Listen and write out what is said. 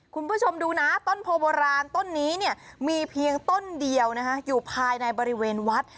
คุณผู้ชมดูนะต้นโพโบราณต้นนี้เนี่ยมีเพียงต้นเดียวนะคะอยู่ภายในบริเวณวัด